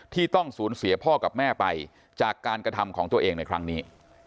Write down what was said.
ที่ต้องสูญเสียพ่อกับแม่ไปจากการกระทำของตัวเองในครั้งนี้